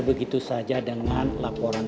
begitu saja dengan laporan